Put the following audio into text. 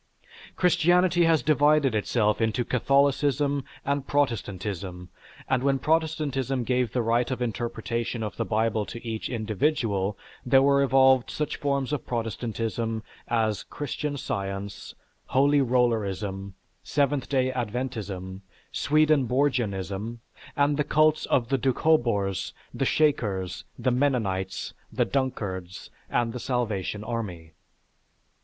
Christianity has divided itself into Catholicism and Protestantism; and when Protestantism gave the right of interpretation of the Bible to each individual, there were evolved such forms of Protestantism as Christian Science, Holy Rollerism, Seventh Day Adventism, Swedenborgianism, and the cults of the Doukhobors, the Shakers, the Mennonites, the Dunkards and the Salvation Army.